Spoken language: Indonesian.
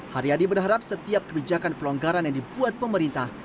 haryadi berharap setiap kebijakan pelonggaran yang dibuat pemerintah